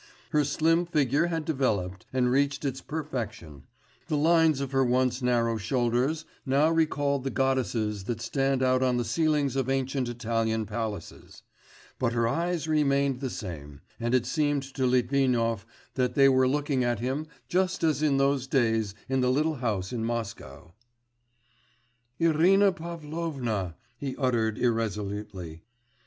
Her slim figure had developed and reached its perfection, the lines of her once narrow shoulders now recalled the goddesses that stand out on the ceilings of ancient Italian palaces. But her eyes remained the same, and it seemed to Litvinov that they were looking at him just as in those days in the little house in Moscow. 'Irina Pavlovna,' he uttered irresolutely.